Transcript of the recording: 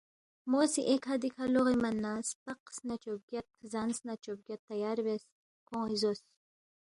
مو سی ایکھہ دِکھہ لوغے من نہ سپق سنہ چوبگیاد زان سنہ چوبگیاد تیار بیاس، کھون٘ی زوس